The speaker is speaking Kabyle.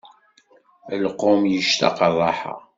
Lqum yectaq rraḥa.